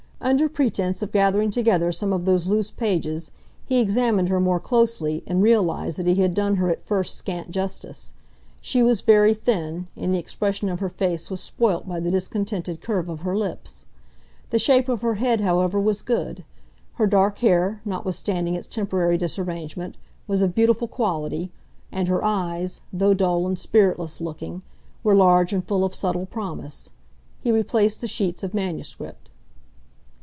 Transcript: Under pretence of gathering together some of those loose pages, he examined her more closely and realised that he had done her at first scant justice. She was very thin, and the expression of her face was spoilt by the discontented curve of her lips. The shape of her head, however, was good. Her dark hair, notwithstanding its temporary disarrangement, was of beautiful quality, and her eyes, though dull and spiritless looking, were large and full of subtle promise. He replaced the sheets of manuscript.